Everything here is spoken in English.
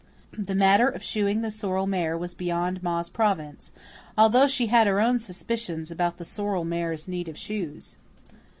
The matter of shoeing the sorrel mare was beyond Ma's province, although she had her own suspicions about the sorrel mare's need of shoes.